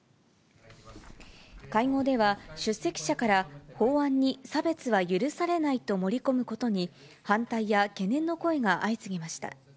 会合では、出席者から法案に差別は許されないと盛り込むことに、反対や懸念の声が相次ぎました。